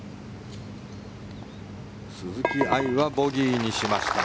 鈴木愛はボギーにしました。